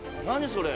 それ」